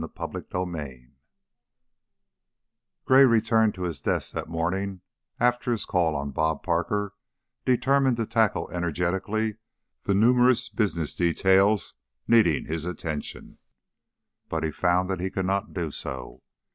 CHAPTER XXVIII Gray returned to his desk that morning after his call on "Bob" Parker determined to tackle energetically the numerous business details needing his attention, but he found that he could not do so.